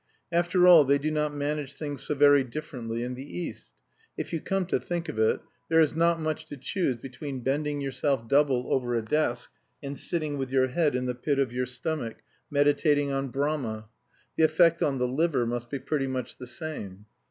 After all they do not manage things so very differently in the East. If you come to think of it, there is not much to choose between bending yourself double over a desk and sitting with your head in the pit of your stomach, meditating on Brahma. The effect on the liver must be pretty much the same.